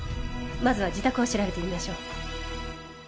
まずは自宅を調べてみましょう。